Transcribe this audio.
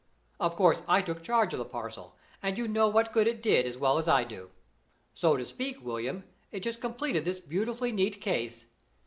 Of course I took charge of the parcel, and you know what good it did as well as I do. So to speak, William, it just completed this beautifully neat case.